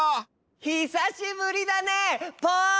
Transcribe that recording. ひさしぶりだねポン！